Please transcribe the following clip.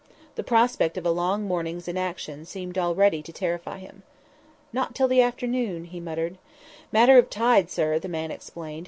The prospect of a long morning's inaction seemed already to terrify him. "Not till the afternoon," he muttered. "Matter of tide, sir," the man explained.